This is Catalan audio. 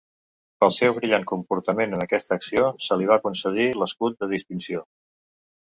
Pel seu brillant comportament en aquesta acció se li va concedir l'escut de Distinció.